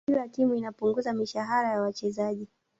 kila timu inapunguza mishahara ya wachezaji